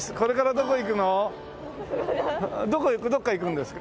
どこ行くどっか行くんですか？